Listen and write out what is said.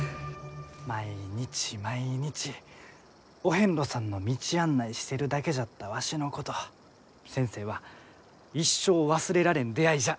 毎日毎日お遍路さんの道案内してるだけじゃったわしのこと先生は「一生忘れられん出会いじゃ」